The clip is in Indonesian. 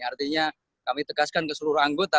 artinya kami tegaskan ke seluruh anggota